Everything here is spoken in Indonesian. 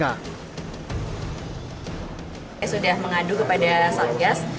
saya sudah mengadu kepada satgas